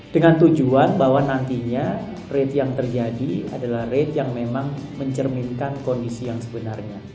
dengan tujuan bahwa nantinya rate yang terjadi adalah rate yang memang mencerminkan kondisi yang sebenarnya